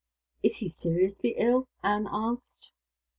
"Is he seriously ill?" Anne asked.